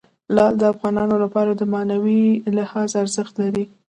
لعل د افغانانو لپاره په معنوي لحاظ ارزښت لري.